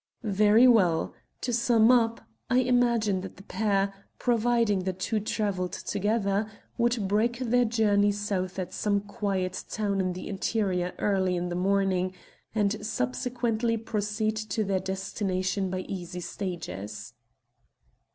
"Very well. To sum up, I imagine that the pair, providing the two travelled together, would break their journey south at some quiet town in the interior early in the morning, and subsequently proceed to their destination by easy stages."